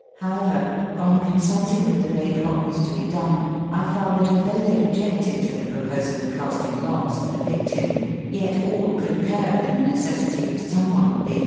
However, on consulting with the male what was to b« done, I found that although they objected to the proposal of casting lots for the victim, yet all concurred in the necessity of some one being